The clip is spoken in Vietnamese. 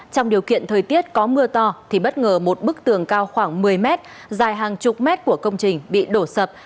trong điều kiện thời tiết có mưa to thì bất ngờ một bức tường cao khoảng một mươi mét dài hàng chục mét của công trình bị đổ sập